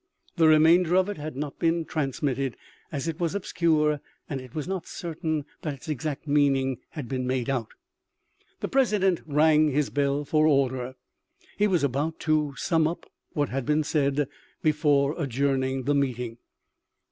The remainder of it had not been trans mitted, as it was obscure and it was not certain that its exact meaning had been made out. The president rang his bell for order. He was about to sum up what had been said, before adjourning the meeting.